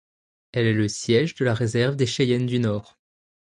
Elle est le siège de la réserve des Cheyennes du Nord.